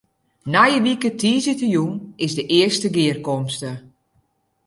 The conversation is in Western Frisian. Nije wike tiisdeitejûn is de earste gearkomste.